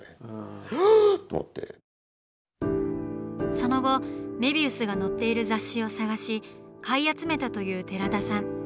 その後メビウスが載っている雑誌を探し買い集めたという寺田さん。